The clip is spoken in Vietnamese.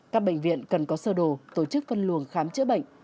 các bệnh viện cần có sơ đồ tổ chức phân luồng khám chữa bệnh